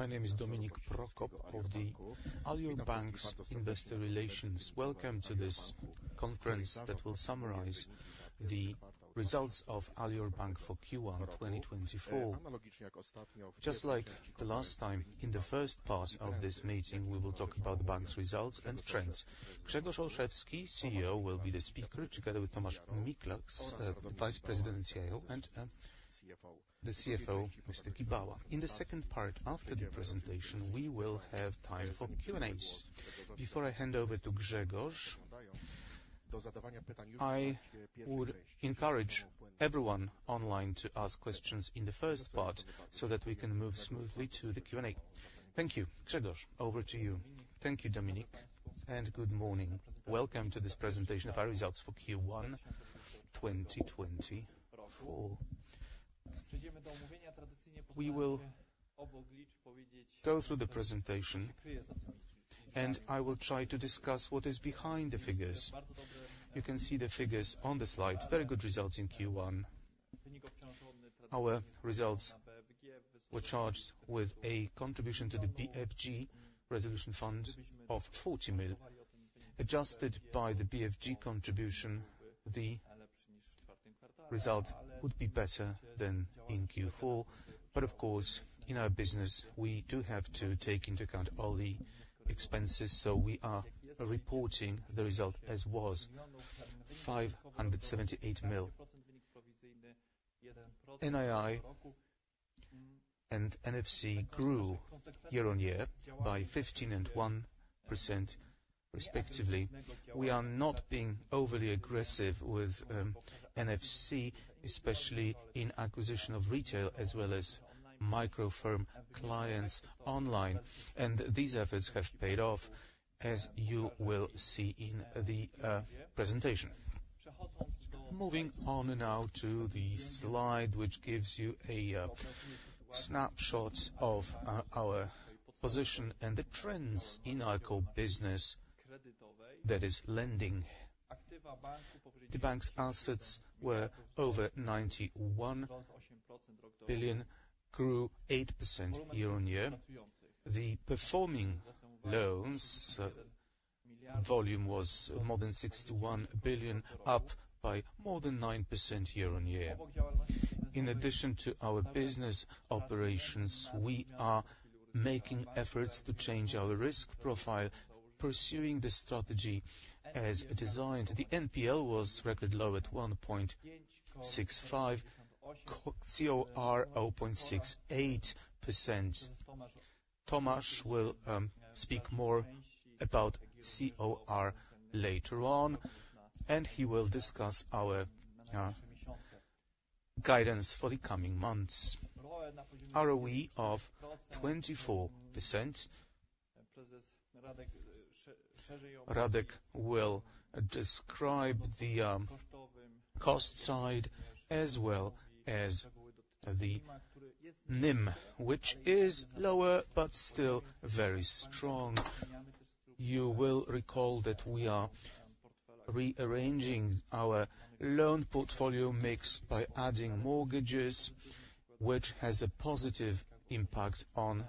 My name is Dominik Prokop of the Alior Bank's Investor Relations. Welcome to this conference that will summarize the results of Alior Bank for Q1 2024. Just like the last time, in the first part of this meeting we will talk about the bank's results and trends. Grzegorz Olszewski, CEO, will be the speaker, together with Tomasz Miklas, Vice President and CRO, and the CFO, Mr. Gibała. In the second part, after the presentation, we will have time for Q&As. Before I hand over to Grzegorz, I would encourage everyone online to ask questions in the first part so that we can move smoothly to the Q&A. Thank you, Grzegorz. Over to you. Thank you, Dominik, and good morning. Welcome to this presentation of our results for Q1 2024. We will go through the presentation, and I will try to discuss what is behind the figures. You can see the figures on the slide: very good results in Q1. Our results were charged with a contribution to the BFG resolution fund of 40 million. Adjusted by the BFG contribution, the result would be better than in Q4, but of course, in our business we do have to take into account all the expenses, so we are reporting the result as was: 578 million. NII and NFC grew year-on-year by 15% and 1%, respectively. We are not being overly aggressive with NFC, especially in acquisition of retail as well as micro firm clients online, and these efforts have paid off, as you will see in the presentation. Moving on now to the slide which gives you a snapshot of our position and the trends in our core business, that is lending. The bank's assets were over 91 billion, grew 8% year-on-year. The performing loans volume was more than 61 billion, up by more than 9% year-on-year. In addition to our business operations, we are making efforts to change our risk profile, pursuing the strategy as designed. The NPL was record low at 1.65%, COR 0.68%. Tomasz will speak more about COR later on, and he will discuss our guidance for the coming months. ROE of 24%. [Radek] will describe the cost side as well as the NIM, which is lower but still very strong. You will recall that we are rearranging our loan portfolio mix by adding mortgages, which has a positive impact on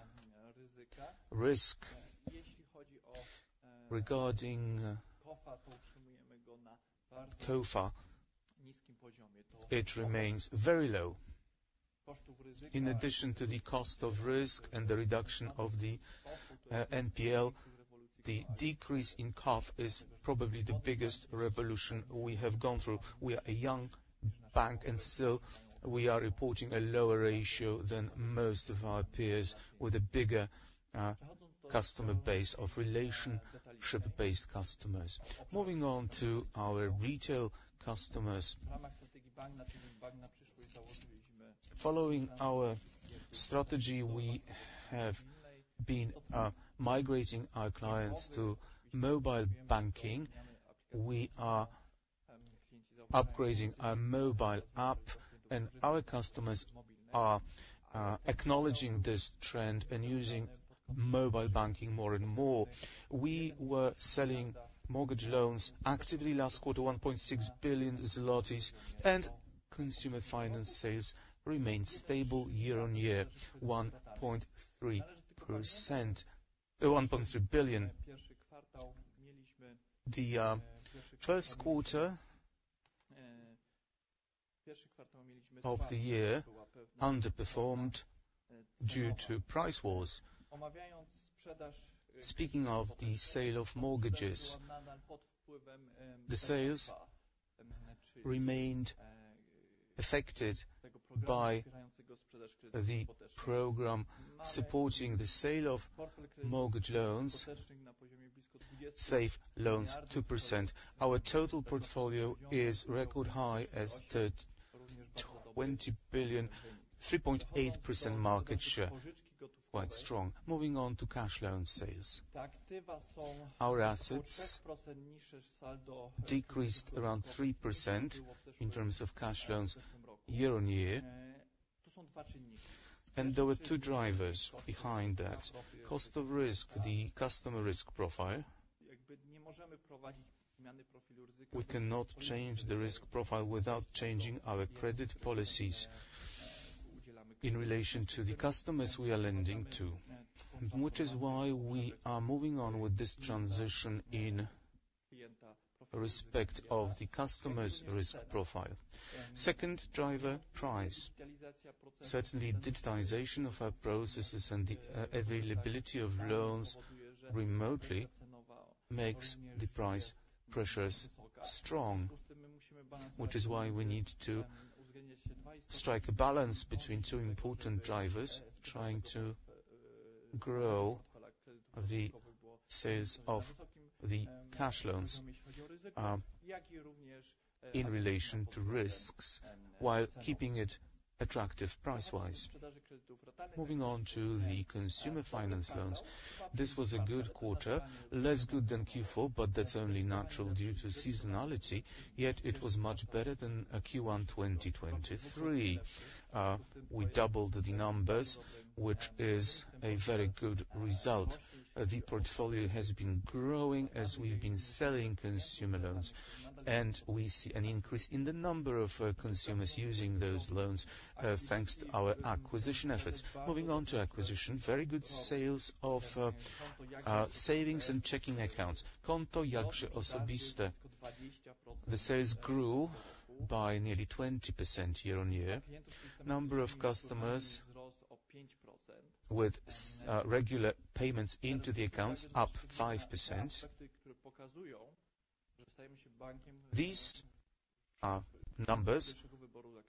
risk. Regarding COF it remains very low. In addition to the cost of risk and the reduction of the NPL, the decrease in COF is probably the biggest revolution we have gone through. We are a young bank, and still we are reporting a lower ratio than most of our peers, with a bigger customer base of relationship-based customers. Moving on to our retail customers. Following our strategy, we have been migrating our clients to mobile banking. We are upgrading our mobile app, and our customers are acknowledging this trend and using mobile banking more and more. We were selling mortgage loans actively last quarter, 1.6 billion zlotys, and consumer finance sales remained stable year-on-year, PLN 1.3 billion. The first quarter of the year underperformed due to price wars. Speaking of the sale of mortgages, the sales remained affected by the program supporting the sale of mortgage loans, Safe Loan 2%. Our total portfolio is record high, as to 20 billion, 3.8% market share, quite strong. Moving on to cash loan sales, our assets decreased around 3% in terms of cash loans year-over-year, and there were two drivers behind that: cost of risk, the customer risk profile. We cannot change the risk profile without changing our credit policies in relation to the customers we are lending to, which is why we are moving on with this transition in respect of the customer's risk profile. Second driver, price. Certainly, digitization of our processes and the availability of loans remotely makes the price pressures strong, which is why we need to strike a balance between two important drivers. Trying to grow the sales of the cash loans in relation to risks while keeping it attractive price-wise. Moving on to the consumer finance loans, this was a good quarter, less good than Q4, but that's only natural due to seasonality, yet it was much better than Q1 2023. We doubled the numbers, which is a very good result. The portfolio has been growing as we've been selling consumer loans, and we see an increase in the number of consumers using those loans, thanks to our acquisition efforts. Moving on to acquisition, very good sales of savings and checking accounts. Konto Jakże Osobiste. The sales grew by nearly 20% year-on-year. Number of customers with regular payments into the accounts, up 5%. These numbers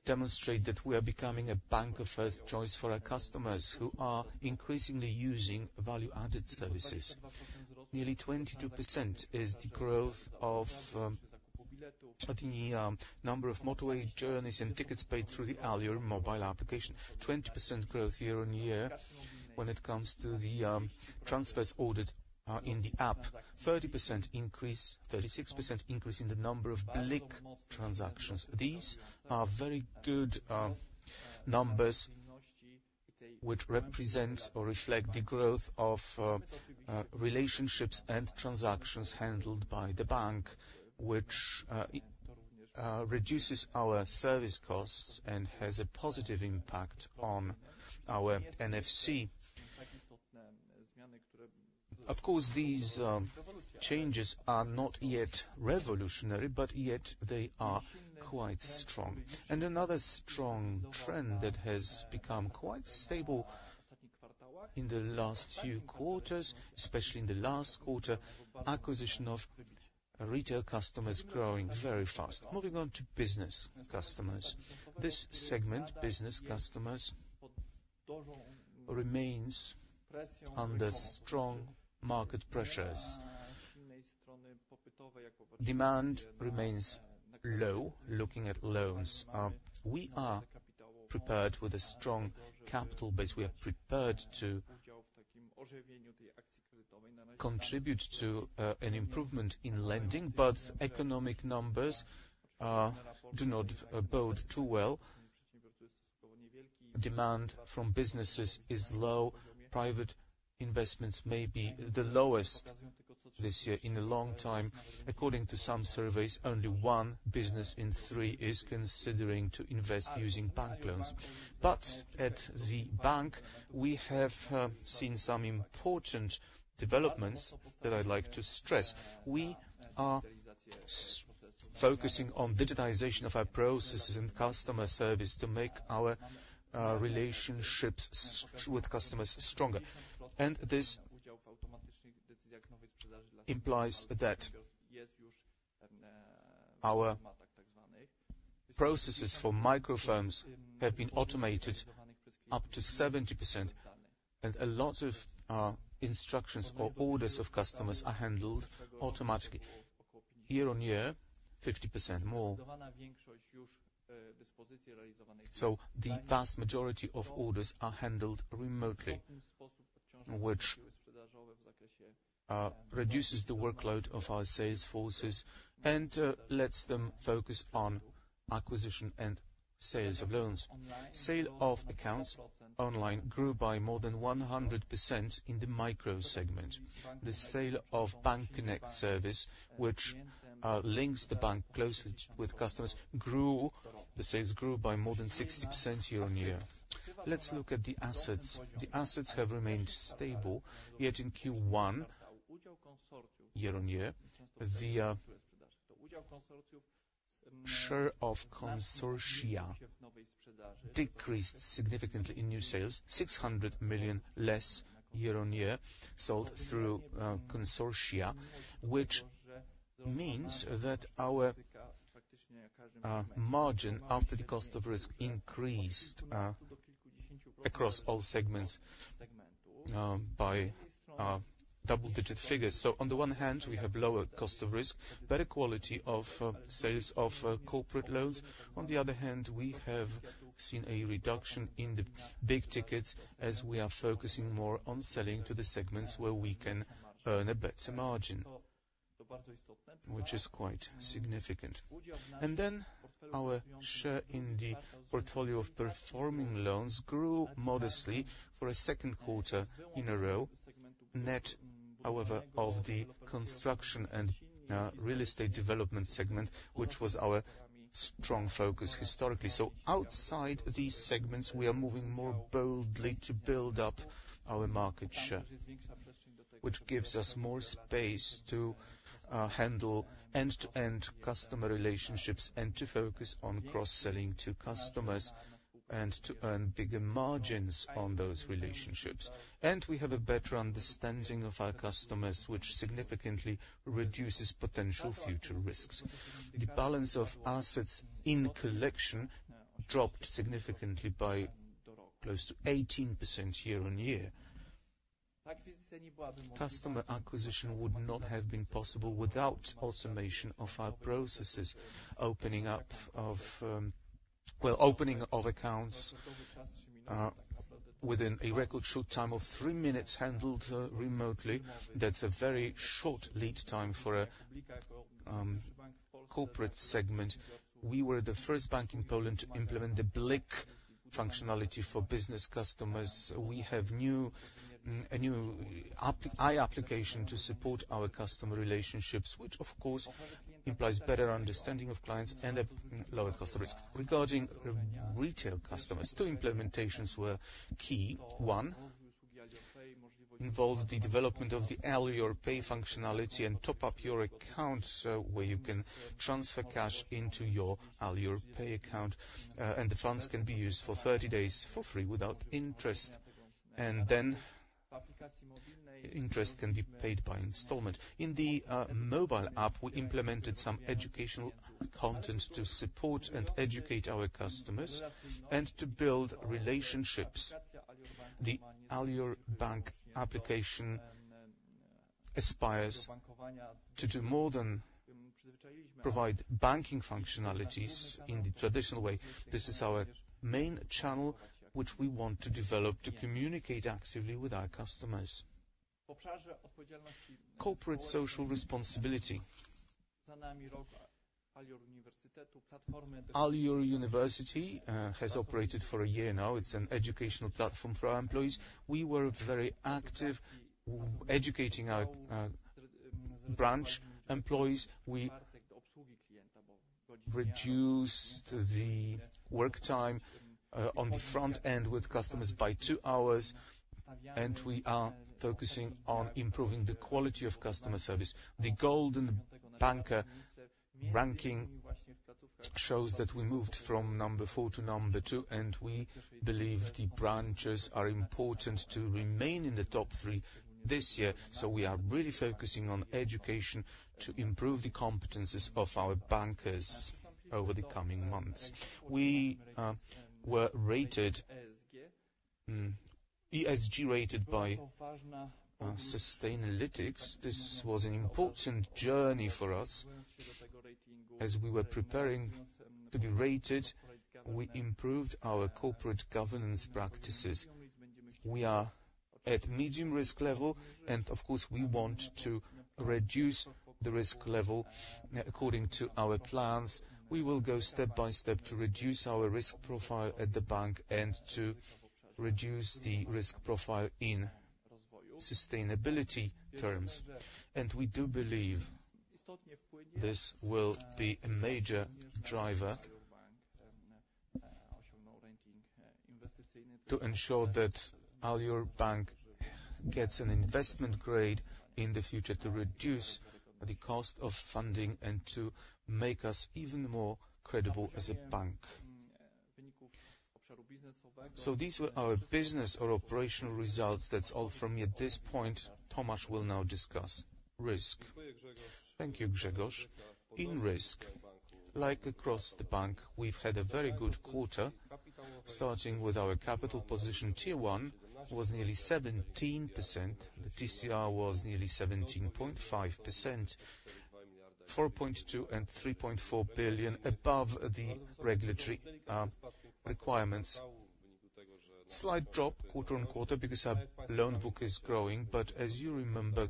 demonstrate that we are becoming a bank of first choice for our customers who are increasingly using value-added services. Nearly 22% is the growth of the number of motorway journeys and tickets paid through the Alior Mobile application. 20% growth year-over-year when it comes to the transfers ordered in the app. 36% increase in the number of BLIK transactions. These are very good numbers, which represent or reflect the growth of relationships and transactions handled by the bank, which reduces our service costs and has a positive impact on our NFC. Of course, these changes are not yet revolutionary, but yet they are quite strong. Another strong trend that has become quite stable in the last few quarters, especially in the last quarter, acquisition of retail customers growing very fast. Moving on to business customers, this segment, business customers, remains under strong market pressures. Demand remains low looking at loans. We are prepared with a strong capital base. We are prepared to contribute to an improvement in lending, but economic numbers do not bode too well. Demand from businesses is low. Private investments may be the lowest this year in a long time. According to some surveys, only one business in three is considering to invest using bank loans. But at the bank, we have seen some important developments that I'd like to stress. We are focusing on digitization of our processes and customer service to make our relationships with customers stronger, and this implies that our processes for micro firms have been automated up to 70%, and a lot of instructions or orders of customers are handled automatically. Year-on-year, 50% more. So the vast majority of orders are handled remotely, which reduces the workload of our sales forces and lets them focus on acquisition and sales of loans. Sale of accounts online grew by more than 100% in the micro segment. The sale of BankConnect service, which links the bank closely with customers, grew. The sales grew by more than 60% year-on-year. Let's look at the assets. The assets have remained stable, yet in Q1 year-on-year, the share of consortia decreased significantly in new sales, 600 million less year-on-year sold through consortia, which means that our margin after the cost of risk increased across all segments by double-digit figures. On the one hand, we have lower cost of risk, better quality of sales of corporate loans. On the other hand, we have seen a reduction in the big tickets as we are focusing more on selling to the segments where we can earn a better margin, which is quite significant. Then our share in the portfolio of performing loans grew modestly for a second quarter in a row. Net, however, of the construction and real estate development segment, which was our strong focus historically. So outside these segments, we are moving more boldly to build up our market share, which gives us more space to handle end-to-end customer relationships and to focus on cross-selling to customers and to earn bigger margins on those relationships. We have a better understanding of our customers, which significantly reduces potential future risks. The balance of assets in collection dropped significantly by close to 18% year-on-year. Customer acquisition would not have been possible without automation of our processes, opening up accounts within a record short time of three minutes handled remotely. That's a very short lead time for a corporate segment. We were the first bank in Poland to implement the BLIK functionality for business customers. We have a new AI application to support our customer relationships, which of course implies better understanding of clients and a lower cost of risk. Regarding retail customers, two implementations were key. One involved the development of the Alior Pay functionality and top-up your accounts, where you can transfer cash into your Alior Pay account, and the funds can be used for 30 days for free without interest. And then interest can be paid by installment. In the mobile app, we implemented some educational content to support and educate our customers and to build relationships. The Alior Bank application aspires to provide banking functionalities in the traditional way. This is our main channel, which we want to develop to communicate actively with our customers. Corporate social responsibility. Alior University has operated for a year now. It's an educational platform for our employees. We were very active educating our branch employees. We reduced the work time on the front end with customers by 2 hours, and we are focusing on improving the quality of customer service. The Golden Banker ranking shows that we moved from 4 to 2, and we believe the branches are important to remain in the top 3 this year. So we are really focusing on education to improve the competencies of our bankers over the coming months. We were ESG rated by Sustainalytics. This was an important journey for us. As we were preparing to be rated, we improved our corporate governance practices. We are at medium risk level, and of course, we want to reduce the risk level according to our plans. We will go step by step to reduce our risk profile at the bank and to reduce the risk profile in sustainability terms. We do believe this will be a major driver to ensure that Alior Bank gets an investment grade in the future to reduce the cost of funding and to make us even more credible as a bank. These were our business or operational results. That's all from me at this point. Tomasz will now discuss risk. Thank you, Grzegorz. In risk, like across the bank, we've had a very good quarter, starting with our capital position. Tier 1 was nearly 17%. The TCR was nearly 17.5%, 4.2 billion and 3.4 billion above the regulatory requirements. Slight drop quarter-over-quarter because our loan book is growing, but as you remember,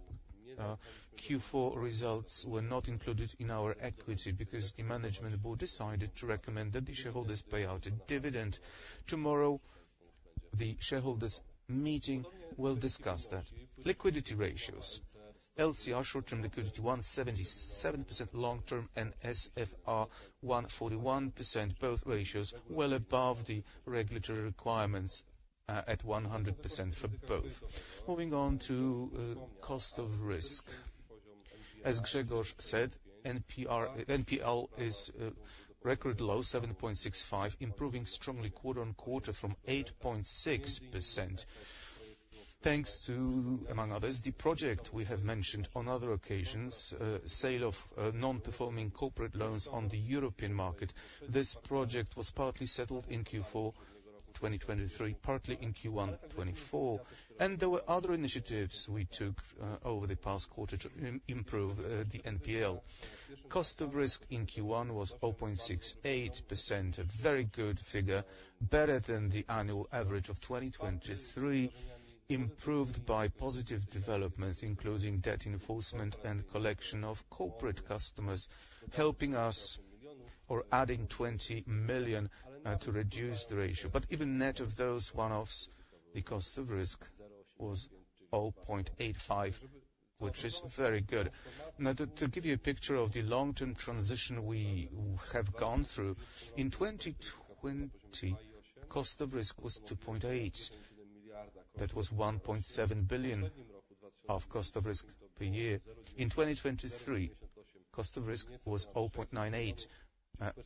Q4 results were not included in our equity because the management board decided to recommend that the shareholders pay out a dividend. Tomorrow, the shareholders' meeting will discuss that. Liquidity ratios: LCR short-term liquidity 177%, long-term NSFR 141%. Both ratios well above the regulatory requirements at 100% for both. Moving on to cost of risk. As Grzegorz said, NPL is record low, 7.65%, improving strongly quarter-on-quarter from 8.6%. Thanks to, among others, the project we have mentioned on other occasions, sale of non-performing corporate loans on the European market. This project was partly settled in Q4 2023, partly in Q1 2024, and there were other initiatives we took over the past quarter to improve the NPL. Cost of risk in Q1 was 0.68%, a very good figure, better than the annual average of 2023, improved by positive developments including debt enforcement and collection of corporate customers helping us or adding 20 million to reduce the ratio. But even net of those one-offs, the cost of risk was 0.85%, which is very good. Now, to give you a picture of the long-term transition we have gone through, in 2020, cost of risk was 2.8%. That was 1.7 billion of cost of risk per year. In 2023, cost of risk was 0.98%,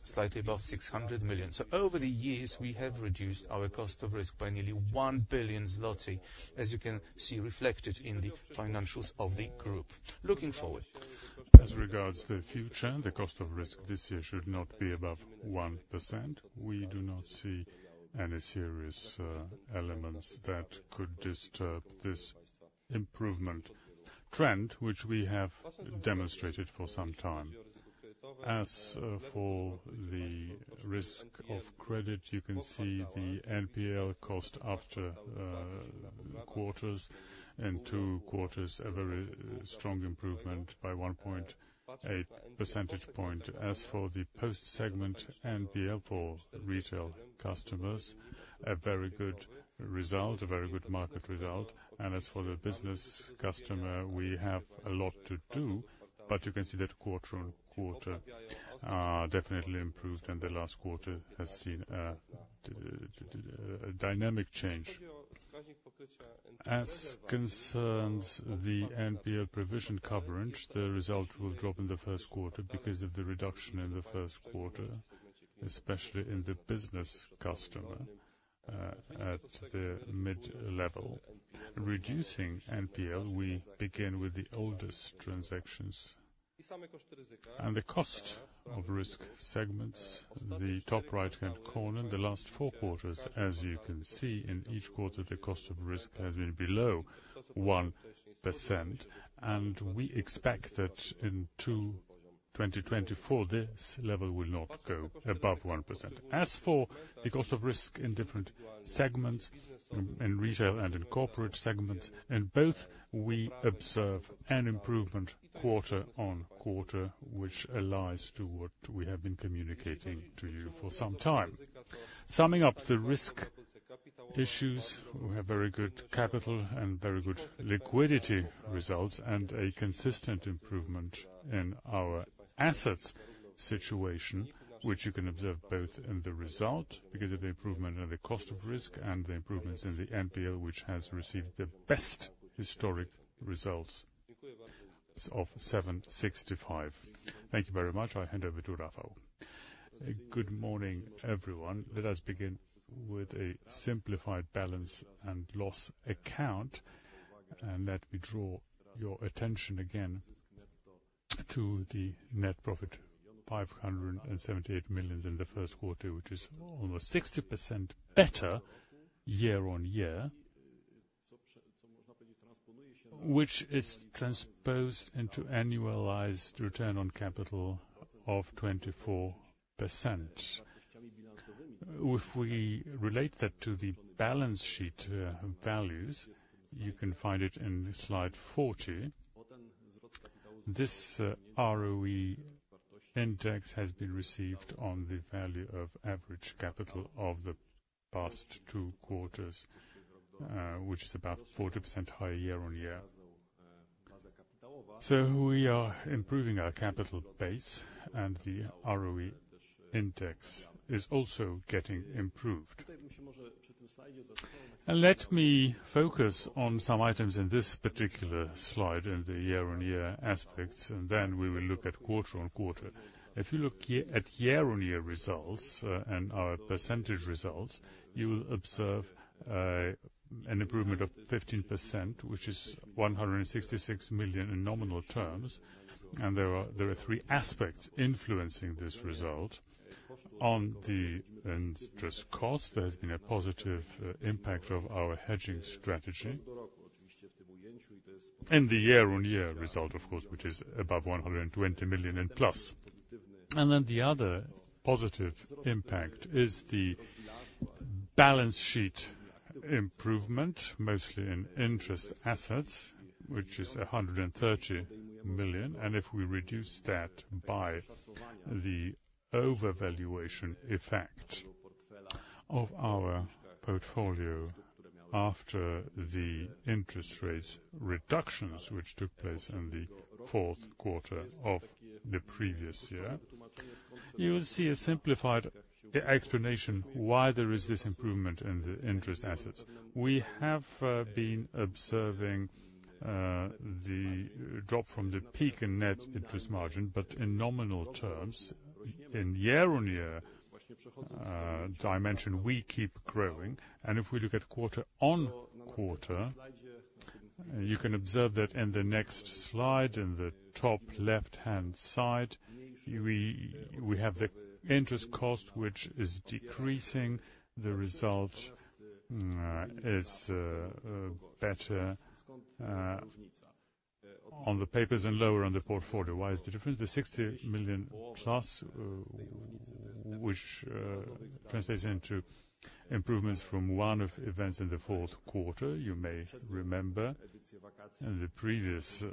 slightly above 600 million. So over the years, we have reduced our cost of risk by nearly 1 billion zloty, as you can see reflected in the financials of the group. Looking forward. As regards to future, the cost of risk this year should not be above 1%. We do not see any serious elements that could disturb this improvement trend, which we have demonstrated for some time. As for the risk of credit, you can see the NPL cost after quarters and two quarters, a very strong improvement by 1.8 percentage point. As for the post-segment NPL for retail customers, a very good result, a very good market result. As for the business customer, we have a lot to do, but you can see that quarter-over-quarter definitely improved, and the last quarter has seen a dynamic change. As concerns the NPL provision coverage, the result will drop in the first quarter because of the reduction in the first quarter, especially in the business customer at the mid-level. Reducing NPL, we begin with the oldest transactions. The cost of risk segments, the top right-hand corner, the last four quarters, as you can see in each quarter, the cost of risk has been below 1%, and we expect that in 2024, this level will not go above 1%. As for the cost of risk in different segments, in retail and in corporate segments, in both, we observe an improvement quarter-over-quarter, which aligns to what we have been communicating to you for some time. Summing up the risk issues, we have very good capital and very good liquidity results and a consistent improvement in our assets situation, which you can observe both in the result because of the improvement in the cost of risk and the improvements in the NPL, which has received the best historic results of 7.65%. Thank you very much. I hand over to Radomir. Good morning, everyone. Let us begin with a simplified balance and loss account, and let me draw your attention again to the net profit, 578 million in the first quarter, which is almost 60% better year-on-year, which is transposed into annualized return on capital of 24%. If we relate that to the balance sheet values, you can find it in slide 40. This ROE index has been received on the value of average capital of the past two quarters, which is about 40% higher year-over-year. So we are improving our capital base, and the ROE index is also getting improved. Let me focus on some items in this particular slide in the year-over-year aspects, and then we will look at quarter-over-quarter. If you look at year-over-year results and our percentage results, you will observe an improvement of 15%, which is 166 million in nominal terms. And there are three aspects influencing this result. On the interest cost, there has been a positive impact of our hedging strategy. And the year-over-year result, of course, which is above 120 million plus. And then the other positive impact is the balance sheet improvement, mostly in interest assets, which is 130 million. If we reduce that by the overvaluation effect of our portfolio after the interest rate reductions, which took place in the fourth quarter of the previous year, you will see a simplified explanation why there is this improvement in the interest assets. We have been observing the drop from the peak in net interest margin, but in nominal terms, in year-on-year dimension, we keep growing. If we look at quarter-on-quarter, you can observe that in the next slide in the top left-hand side, we have the interest cost, which is decreasing. The result is better on the papers and lower on the portfolio. Why is the difference? The 60 million plus, which translates into improvements from one of the events in the fourth quarter, you may remember, and the previous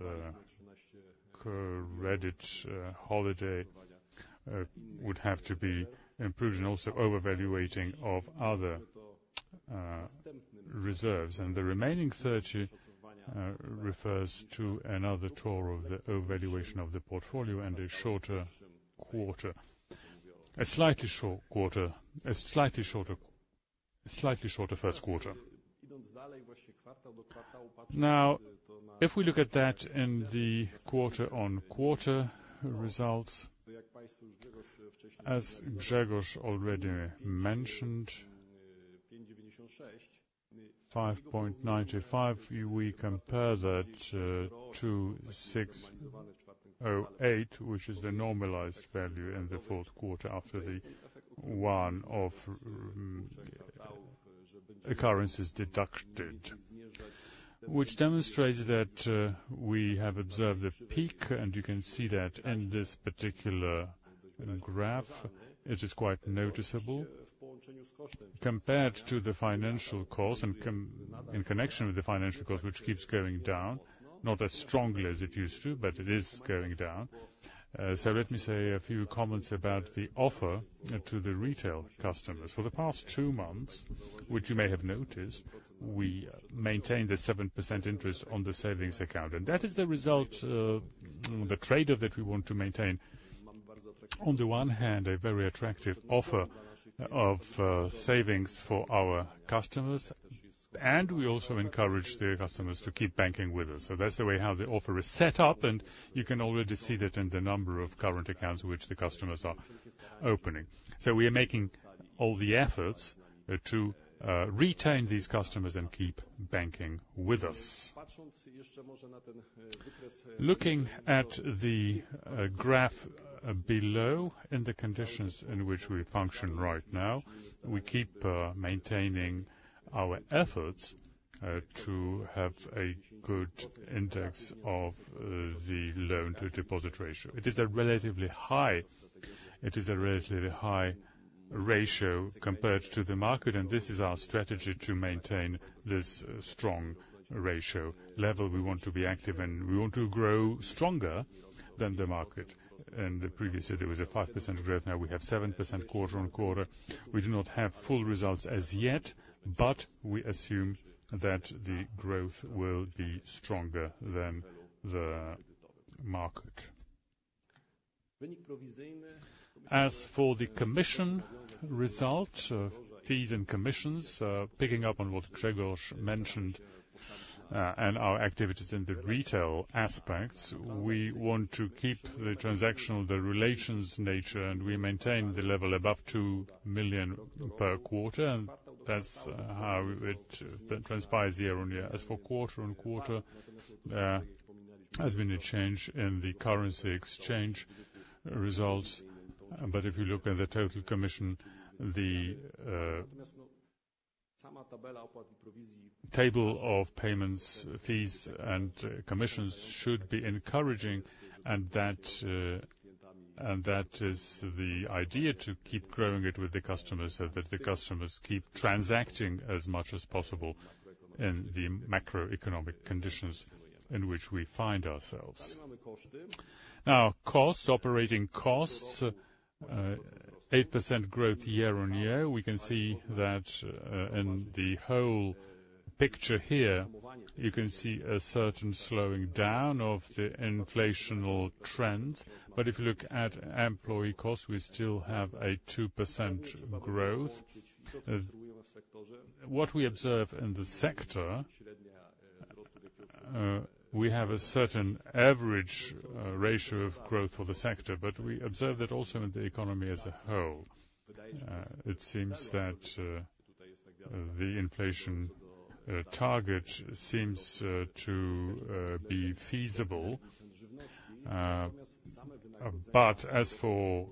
credit holiday would have to be improved and also overvaluating of other reserves. And the remaining 30 refers to another tour of the overvaluation of the portfolio and a shorter quarter, a slightly shorter first quarter. Now, if we look at that in the quarter-on-quarter results, as Grzegorz already mentioned, 5.95, we compare that to 6.08, which is the normalized value in the fourth quarter after the one of occurrences deducted, which demonstrates that we have observed a peak, and you can see that in this particular graph. It is quite noticeable compared to the financial cost and in connection with the financial cost, which keeps going down, not as strongly as it used to, but it is going down. So let me say a few comments about the offer to the retail customers. For the past two months, which you may have noticed, we maintained the 7% interest on the savings account, and that is the result, the trade-off that we want to maintain. On the one hand, a very attractive offer of savings for our customers, and we also encourage the customers to keep banking with us. So that's the way how the offer is set up, and you can already see that in the number of current accounts which the customers are opening. So we are making all the efforts to retain these customers and keep banking with us. Looking at the graph below in the conditions in which we function right now, we keep maintaining our efforts to have a good index of the loan-to-deposit ratio. It is a relatively high ratio compared to the market, and this is our strategy to maintain this strong ratio level. We want to be active, and we want to grow stronger than the market. Previously, there was 5% growth. Now, we have 7% quarter-on-quarter. We do not have full results as yet, but we assume that the growth will be stronger than the market. As for the commission result, fees and commissions, picking up on what Grzegorz mentioned and our activities in the retail aspects, we want to keep the transactional, the relations nature, and we maintain the level above 2 million per quarter, and that's how it transpires year-on-year. As for quarter-over-quarter, there has been a change in the currency exchange results, but if you look at the total commission, the table of payments, fees, and commissions should be encouraging, and that is the idea to keep growing it with the customers so that the customers keep transacting as much as possible in the macroeconomic conditions in which we find ourselves. Now, operating costs, 8% growth year-over-year, we can see that in the whole picture here, you can see a certain slowing down of the inflational trends, but if you look at employee costs, we still have a 2% growth. What we observe in the sector, we have a certain average ratio of growth for the sector, but we observe that also in the economy as a whole. It seems that the inflation target seems to be feasible, but as for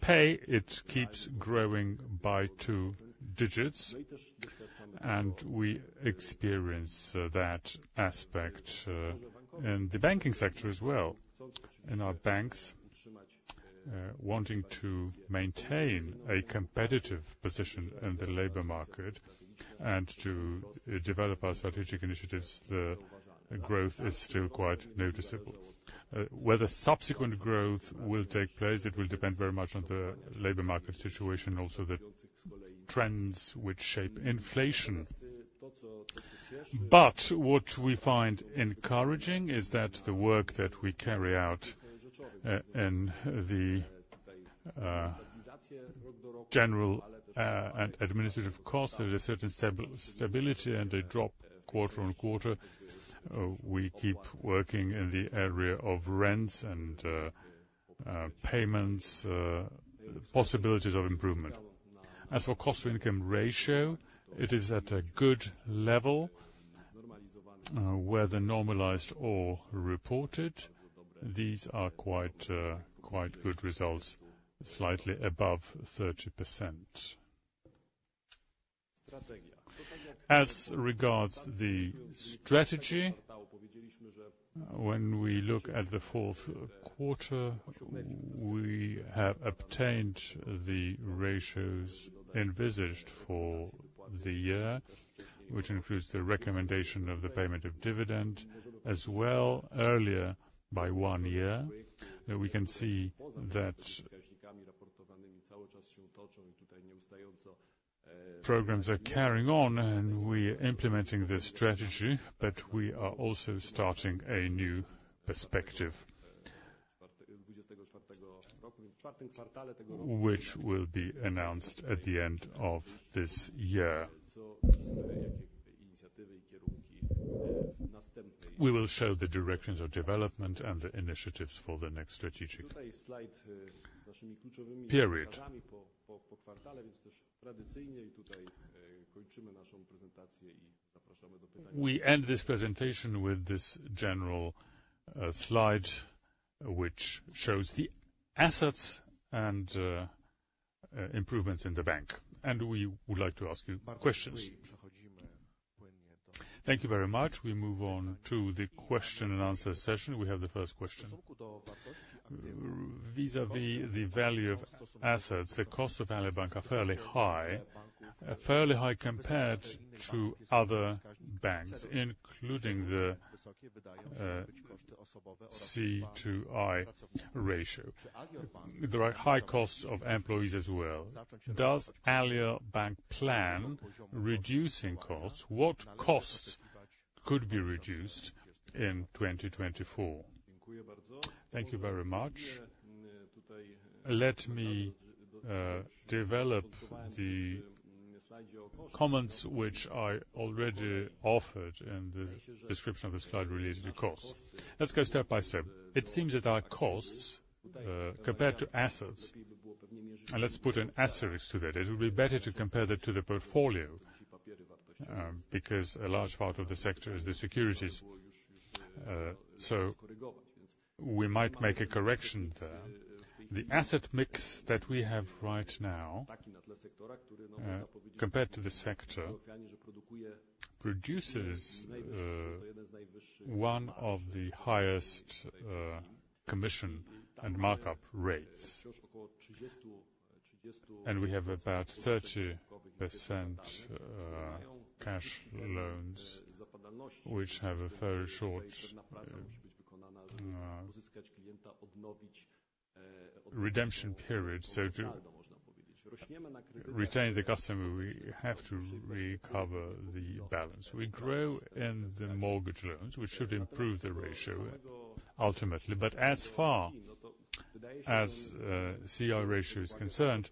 pay, it keeps growing by two digits, and we experience that aspect in the banking sector as well. In our banks, wanting to maintain a competitive position in the labor market and to develop our strategic initiatives, the growth is still quite noticeable. Whether subsequent growth will take place, it will depend very much on the labor market situation and also the trends which shape inflation. But what we find encouraging is that the work that we carry out in the general and administrative costs, there is a certain stability and a drop quarter-on-quarter. We keep working in the area of rents and payments, possibilities of improvement. As for cost-to-income ratio, it is at a good level, whether normalized or reported. These are quite good results, slightly above 30%. As regards the strategy, when we look at the fourth quarter, we have obtained the ratios envisaged for the year, which includes the recommendation of the payment of dividend as well earlier by one year. We can see that programs are carrying on, and we are implementing this strategy, but we are also starting a new perspective, which will be announced at the end of this year. We will show the directions of development and the initiatives for the next strategic period. We end this presentation with this general slide, which shows the assets and improvements in the bank, and we would like to ask you questions. Thank you very much. We move on to the question-and-answer session. We have the first question. Vis-à-vis the value of assets, the cost of Alior Bank are fairly high, fairly high compared to other banks, including the C/I ratio. There are high costs of employees as well. Does Alior Bank plan reducing costs? What costs could be reduced in 2024? Thank you very much. Let me develop the comments which I already offered in the description of the slide related to costs. Let's go step by step. It seems that our costs compared to assets, and let's put an asterisk to that. It would be better to compare that to the portfolio because a large part of the sector is the securities. So we might make a correction there. The asset mix that we have right now, compared to the sector, produces one of the highest commission and markup rates, and we have about 30% cash loans, which have a fairly short redemption period. So to retain the customer, we have to recover the balance. We grow in the mortgage loans, which should improve the ratio ultimately, but as far as CI ratio is concerned,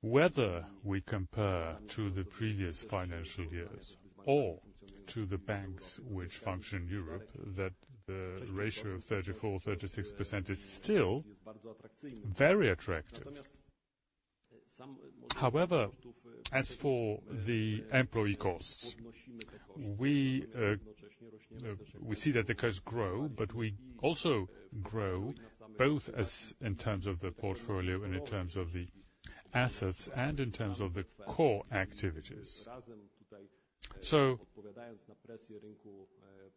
whether we compare to the previous financial years or to the banks which function in Europe, that the ratio of 34%-36% is still very attractive. However, as for the employee costs, we see that the costs grow, but we also grow both in terms of the portfolio and in terms of the assets and in terms of the core activities. So answering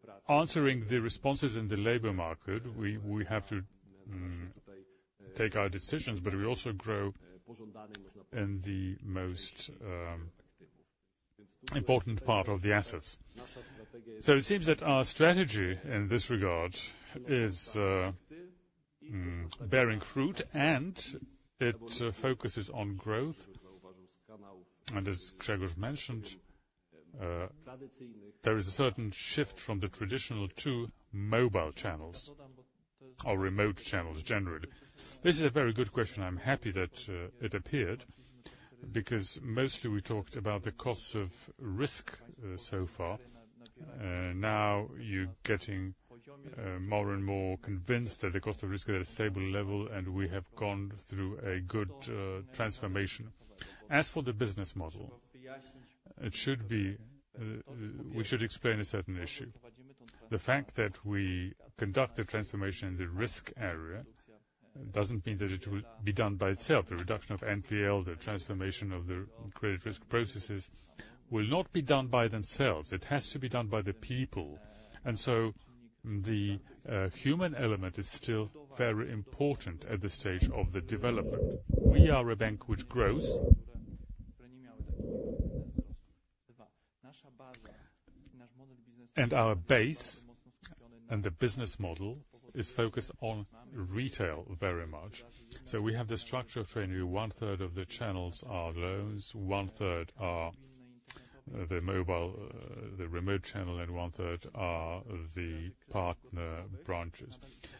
the responses in the labor market, we have to take our decisions, but we also grow in the most important part of the assets. So it seems that our strategy in this regard is bearing fruit, and it focuses on growth. And as Grzegorz mentioned, there is a certain shift from the traditional to mobile channels or remote channels generally. This is a very good question. I'm happy that it appeared because mostly we talked about the costs of risk so far. Now, you're getting more and more convinced that the cost of risk is at a stable level, and we have gone through a good transformation. As for the business model, we should explain a certain issue. The fact that we conduct the transformation in the risk area doesn't mean that it will be done by itself. The reduction of NPL, the transformation of the credit risk processes will not be done by themselves. It has to be done by the people, and so the human element is still very important at the stage of the development. We are a bank which grows, and our base and the business model is focused on retail very much. So we have the structure of training. One-third of the channels are loans, 1/3 are the remote channel, and 1/3 are the partner branches.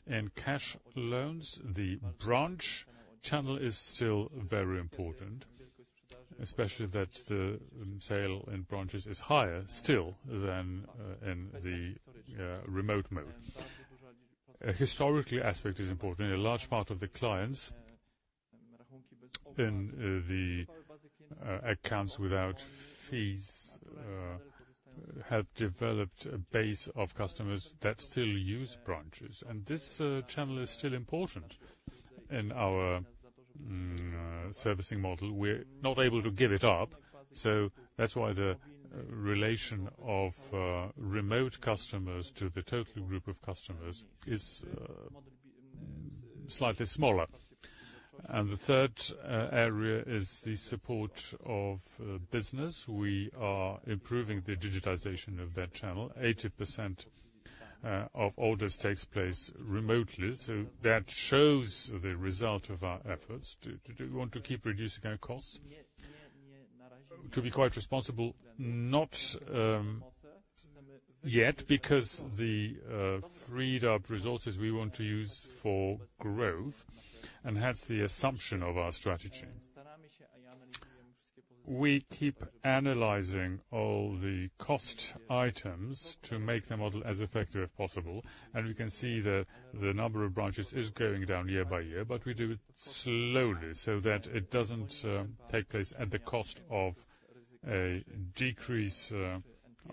In cash loans, the branch channel is still very important, especially that the sale in branches is higher still than in the remote mode. A historical aspect is important. A large part of the clients in the accounts without fees have developed a base of customers that still use branches, and this channel is still important in our servicing model. We're not able to give it up, so that's why the relation of remote customers to the total group of customers is slightly smaller. And the third area is the support of business. We are improving the digitization of that channel. 80% of orders take place remotely, so that shows the result of our efforts. Do we want to keep reducing our costs? To be quite responsible, not yet because the freed up resources we want to use for growth and hence the assumption of our strategy. We keep analyzing all the cost items to make the model as effective as possible, and we can see the number of branches is going down year by year, but we do it slowly so that it doesn't take place at the cost of a decrease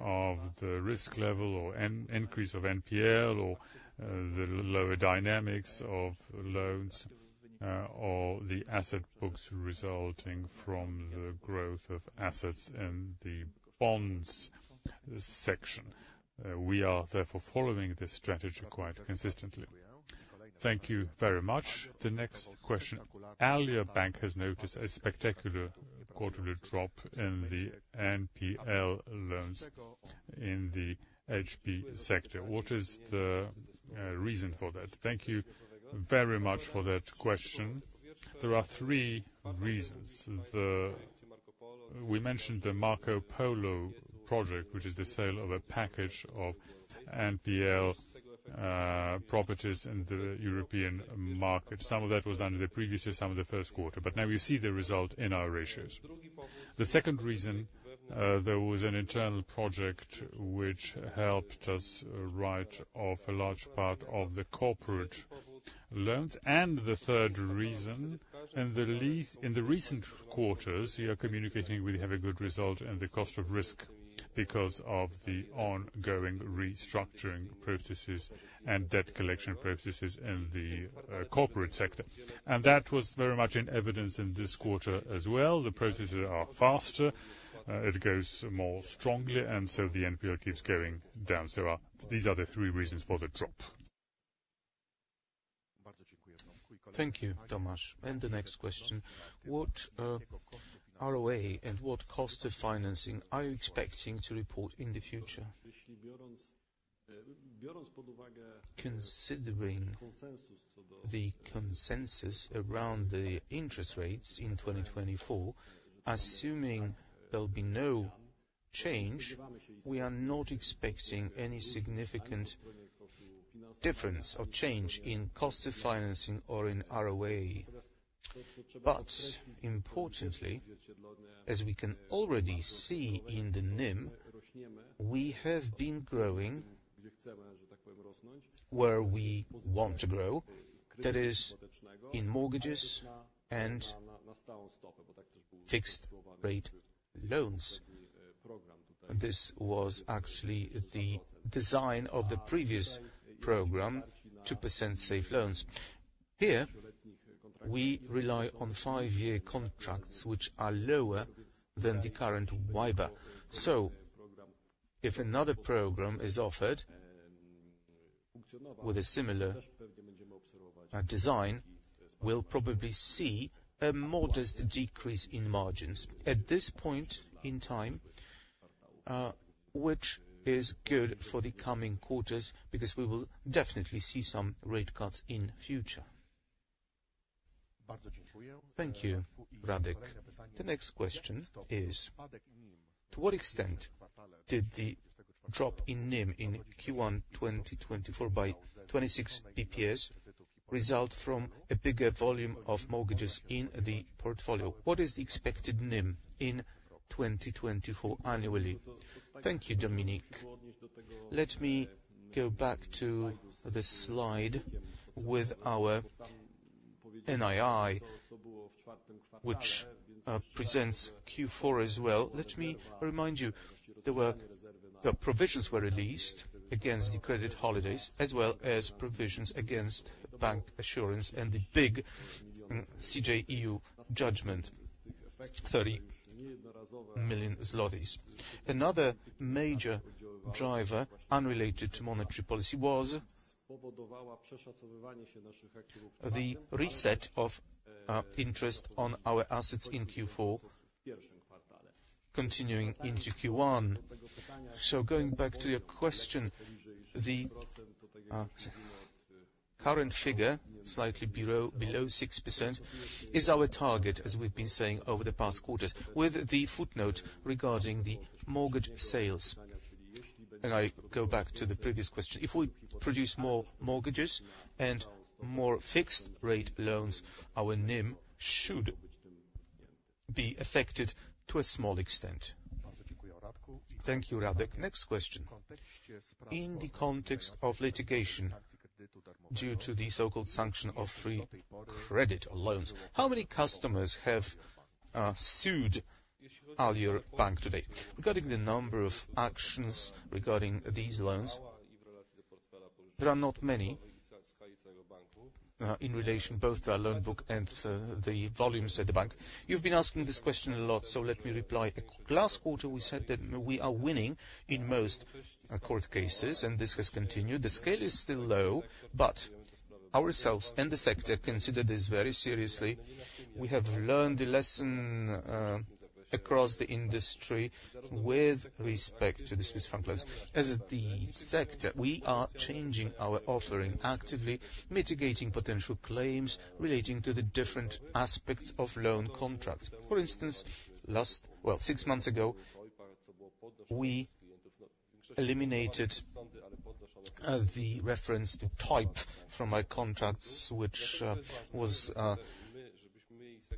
of the risk level or increase of NPL or the lower dynamics of loans or the asset books resulting from the growth of assets in the bonds section. We are therefore following this strategy quite consistently. Thank you very much. The next question. Alior Bank has noticed a spectacular quarterly drop in the NPL loans in the HP sector. What is the reason for that? Thank you very much for that question. There are three reasons. We mentioned the Marco Polo project, which is the sale of a package of NPL properties in the European market. Some of that was done in the previous year, some in the first quarter, but now you see the result in our ratios. The second reason, there was an internal project which helped us write off a large part of the corporate loans, and the third reason, in the recent quarters, we are communicating we have a good result in the cost of risk because of the ongoing restructuring processes and debt collection processes in the corporate sector, and that was very much in evidence in this quarter as well. The processes are faster. It goes more strongly, and so the NPL keeps going down. So these are the three reasons for the drop. Thank you, Tomasz. And the next question. What ROA and what cost of financing are you expecting to report in the future? Considering the consensus around the interest rates in 2024, assuming there'll be no change, we are not expecting any significant difference or change in cost of financing or in ROA. But importantly, as we can already see in the NIM, we have been growing where we want to grow, that is in mortgages and fixed-rate loans. This was actually the design of the previous program, 2% Safe Loans. Here, we rely on 5-year contracts which are lower than the current WIBOR. So if another program is offered with a similar design, we'll probably see a modest decrease in margins at this point in time, which is good for the coming quarters because we will definitely see some rate cuts in the future. Thank you, [Radek]. The next question is. To what extent did the drop in NIM in Q1 2024 by 26 BPS result from a bigger volume of mortgages in the portfolio? What is the expected NIM in 2024 annually? Thank you, Dominik. Let me go back to the slide with our NII, which presents Q4 as well. Let me remind you, the provisions were released against the credit holidays as well as provisions against bancassurance and the big CJEU judgment, PLN 30 million. Another major driver unrelated to monetary policy was the reset of interest on our assets in Q4 continuing into Q1. So going back to your question, the current figure, slightly below 6%, is our target as we've been saying over the past quarters with the footnote regarding the mortgage sales. I go back to the previous question. If we produce more mortgages and more fixed-rate loans, our NIM should be affected to a small extent. Thank you, [Radek] Next question. In the context of litigation due to the so-called sanction of free credit loans, how many customers have sued Alior Bank today? Regarding the number of actions regarding these loans, there are not many in relation both to our loan book and the volumes at the bank. You've been asking this question a lot, so let me reply. Last quarter, we said that we are winning in most court cases, and this has continued. The scale is still low, but ourselves and the sector consider this very seriously. We have learned the lesson across the industry with respect to the Swiss franc loans. As the sector, we are changing our offering actively, mitigating potential claims relating to the different aspects of loan contracts. For instance, well, six months ago, we eliminated the reference to type from our contracts, which was a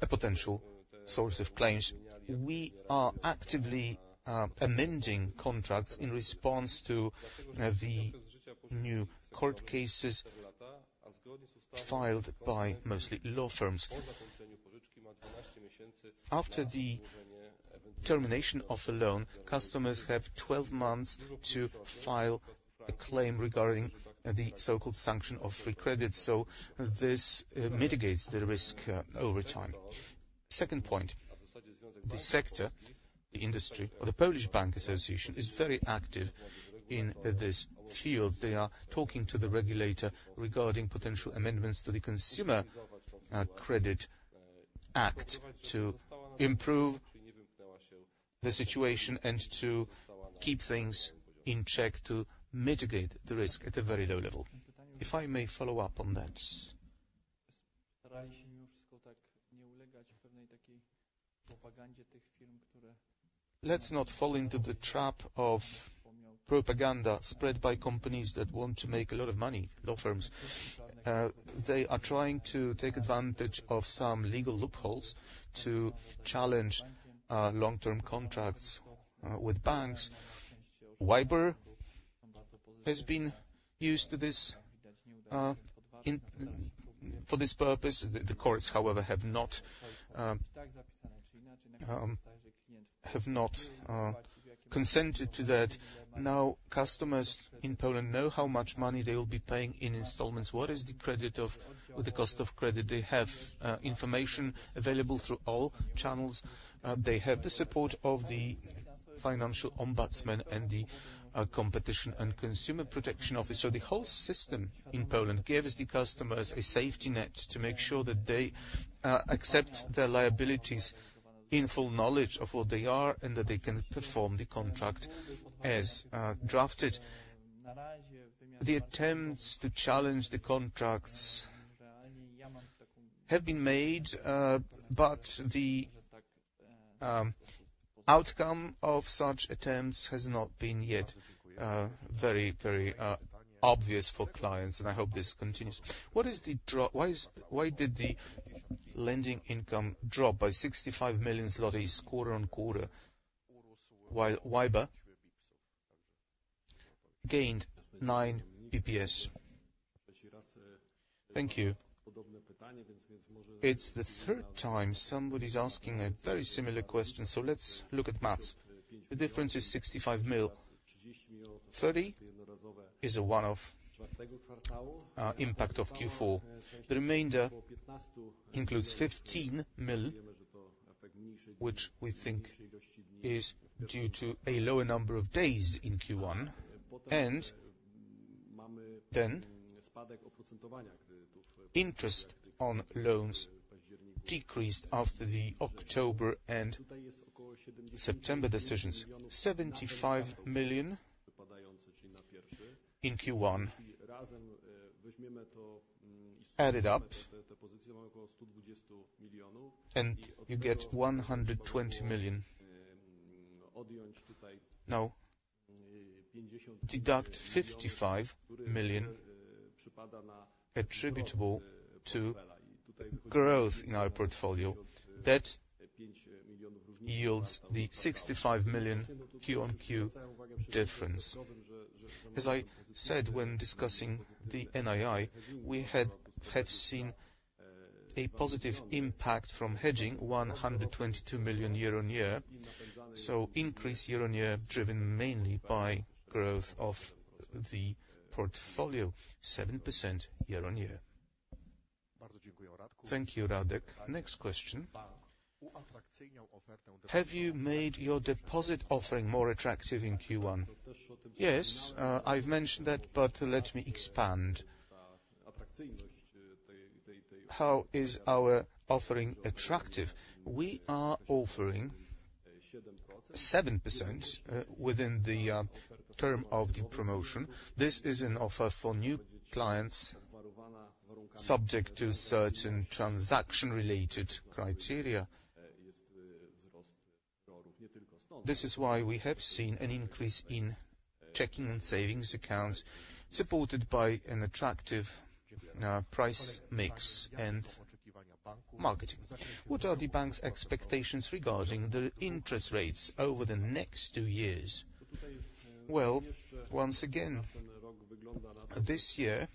potential source of claims. We are actively amending contracts in response to the new court cases filed by mostly law firms. After the termination of a loan, customers have 12 months to file a claim regarding the so-called sanction of free credit, so this mitigates the risk over time. Second point. The sector, the industry, or the Polish Bank Association is very active in this field. They are talking to the regulator regarding potential amendments to the Consumer Credit Act to improve the situation and to keep things in check, to mitigate the risk at a very low level. If I may follow up on that. Let's not fall into the trap of propaganda spread by companies that want to make a lot of money, law firms. They are trying to take advantage of some legal loopholes to challenge long-term contracts with banks. WIBOR has been used for this purpose. The courts, however, have not consented to that. Now, customers in Poland know how much money they will be paying in installments. What is the cost of credit they have? Information available through all channels. They have the support of the financial ombudsman and the competition and consumer protection office. So the whole system in Poland gives the customers a safety net to make sure that they accept their liabilities in full knowledge of what they are and that they can perform the contract as drafted. The attempts to challenge the contracts have been made, but the outcome of such attempts has not been yet very, very obvious for clients, and I hope this continues. Why did the lending income drop by PLN 65 million quarter-on-quarter while WIBOR gained 9 basis points? Thank you. It's the third time somebody's asking a very similar question, so let's look at math. The difference is 65 million. 30 million is one of the impact of Q4. The remainder includes 15 million, which we think is due to a lower number of days in Q1, and interest on loans decreased after the October and September decisions. 75 million in Q1 added up, and you get 120 million. Deduct 55 million attributable to growth in our portfolio. That yields the PLN 65 million Q-on-Q difference. As I said when discussing the NII, we have seen a positive impact from hedging, 122 million year-on-year, so increase year-on-year driven mainly by growth of the portfolio, 7% year-on-year. Thank you, [Radek]. Next question. Have you made your deposit offering more attractive in Q1? Yes, I've mentioned that, but let me expand. How is our offering attractive? We are offering 7% within the term of the promotion. This is an offer for new clients subject to certain transaction-related criteria. This is why we have seen an increase in checking and savings accounts supported by an attractive price mix and marketing. What are the banks' expectations regarding the interest rates over the next two years? Well, once again, this year,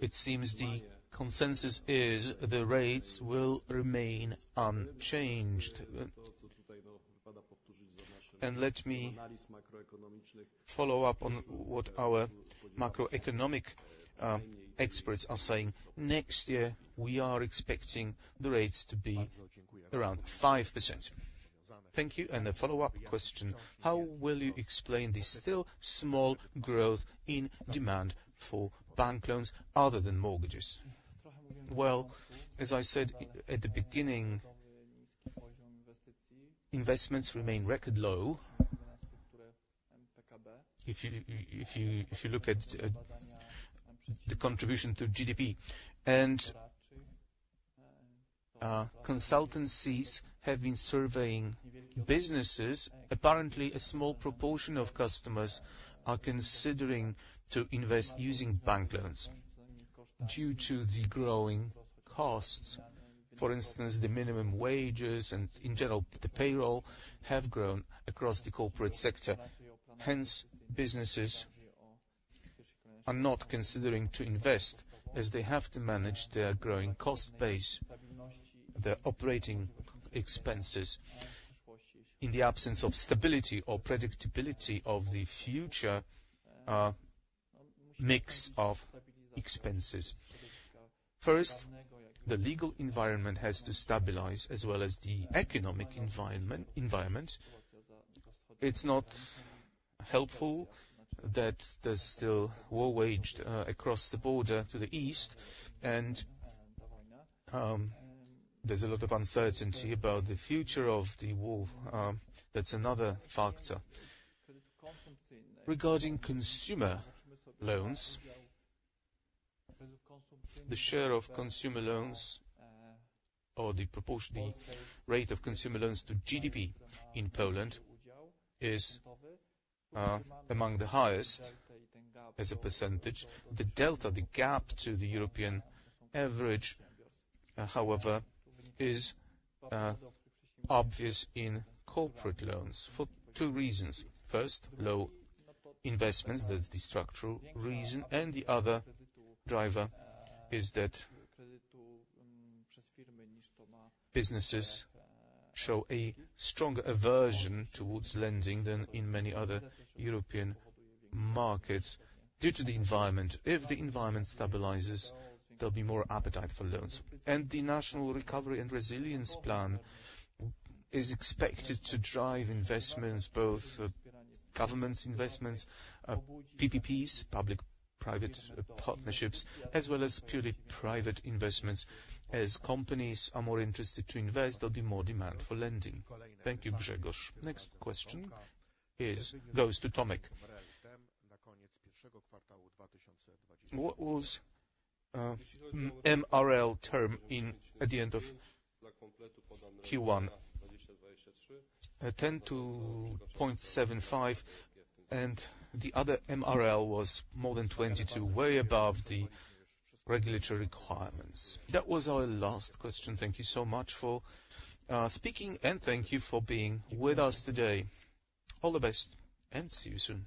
it seems the consensus is the rates will remain unchanged. And let me follow up on what our macroeconomic experts are saying. Next year, we are expecting the rates to be around 5%. Thank you. And a follow-up question. How will you explain this still small growth in demand for bank loans other than mortgages? Well, as I said at the beginning, investments remain record low if you look at the contribution to GDP. Consultancies have been surveying businesses. Apparently, a small proportion of customers are considering to invest using bank loans due to the growing costs. For instance, the minimum wages and, in general, the payroll have grown across the corporate sector. Hence, businesses are not considering to invest as they have to manage their growing cost base, their operating expenses, in the absence of stability or predictability of the future mix of expenses. First, the legal environment has to stabilize as well as the economic environment. It's not helpful that there's still war waged across the border to the east, and there's a lot of uncertainty about the future of the war. That's another factor. Regarding consumer loans, the share of consumer loans or the rate of consumer loans to GDP in Poland is among the highest as a percentage. The delta, the gap to the European average, however, is obvious in corporate loans for two reasons. First, low investments. That's the structural reason. And the other driver is that businesses show a stronger aversion towards lending than in many other European markets due to the environment. If the environment stabilizes, there'll be more appetite for loans. And the National Recovery and Resilience Plan is expected to drive investments, both government investments, PPPs, public-private partnerships, as well as purely private investments. As companies are more interested to invest, there'll be more demand for lending. Thank you, Grzegorz. Next question goes to [Tomek] What was MREL term at the end of Q1 2023? 10.75%, and the other MREL was more than 22%, way above the regulatory requirements. That was our last question. Thank you so much for speaking, and thank you for being with us today. All the best and see you soon.